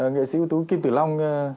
nghệ sĩ ưu tú kim tử long